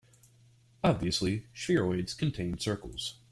Obviously, spheroids contain circles.